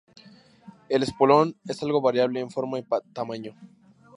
El espolón es algo variable en forma y tamaño.